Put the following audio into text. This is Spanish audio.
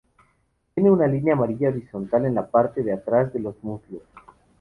Tiene una línea amarilla horizontal en la parte de atrás de los muslos.